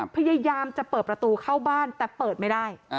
พยายามจะเปิดประตูเข้าบ้านแต่เปิดไม่ได้